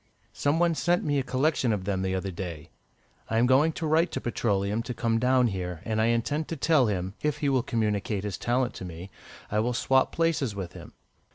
Some one sent me a collection of them the other day. I am going to write to Petroleum to come down here, and I intend to tell him, if he will communicate his talent to me, I will swap places with him."